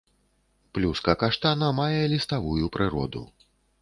Плюска каштана мае ліставую прыроду.